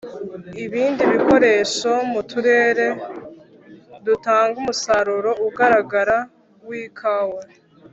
ibindi bikoresho mu turere dutanga umusaruro ugaragara w' ikawa.